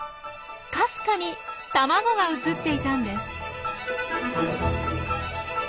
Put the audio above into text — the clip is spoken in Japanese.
かすかに卵が映っていたんです！